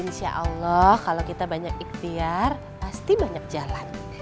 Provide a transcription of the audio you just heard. insya allah kalau kita banyak ikhtiar pasti banyak jalan